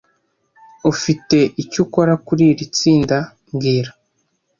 Ufite icyo ukora kuri iri tsinda mbwira